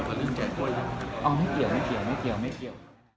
โปรดติดตามตอนต่อไป